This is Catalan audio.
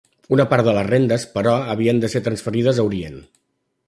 Una part de les rendes, però, havien de ser transferides a Orient.